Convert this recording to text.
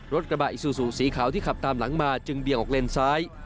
รถกระบะอิซูซูสีขาวที่ขับตามหลังมาจึงเบี่ยงออกเลนซ้าย